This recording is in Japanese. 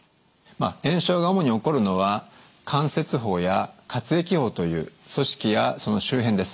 炎症が主に起こるのは関節包や滑液包という組織やその周辺です。